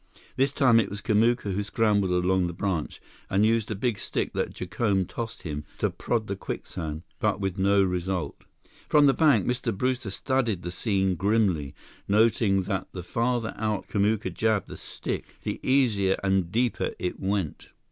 This time it was Kamuka who scrambled along the branch and used a big stick that Jacome tossed him to prod the quicksand, but with no result. From the bank, Mr. Brewster studied the scene grimly, noting that the farther out Kamuka jabbed the stick, the easier and deeper it went.